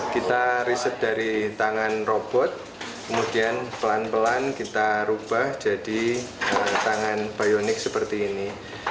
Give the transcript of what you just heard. kita riset dari tangan robot kemudian pelan pelan kita ubah jadi tangan bionik seperti ini